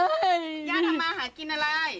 ย่าทำมาทำความคิดอะไร